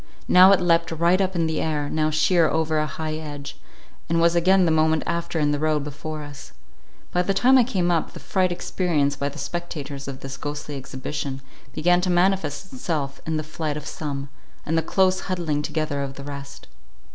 Now it leapt right up in the air, now sheer over a high hedge, and was again the moment after in the road before us. By the time I came up, the fright experienced by the spectators of this ghostly exhibition, began to manifest itself in the flight of some, and the close huddling together of the rest.